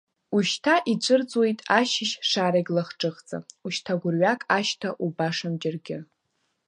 Ушьҭа ицәырҵуеит ашьыжь шарагь лахҿыхӡа, ушьҭа гәырҩак ашьҭа убашам џьаргьы.